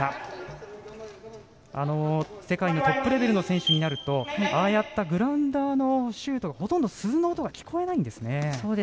世界のトップレベルの選手になるとああいったグラウンダーのシュートほとんど鈴の音が聞こえないんですね。